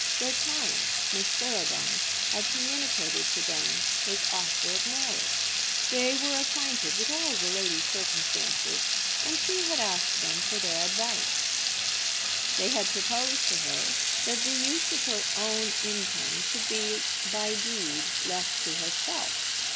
Their client Miss Thoroughbung, had communicated to them his offer of marriage. They were acquainted with all the lady's circumstances, and she had asked them for their advice. They had proposed to her that the use of her own income should be by deed left to herself.